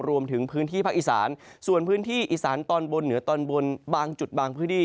รวมถึงพื้นที่ภาคอีสานส่วนพื้นที่อีสานตอนบนเหนือตอนบนบางจุดบางพื้นที่